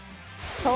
そう。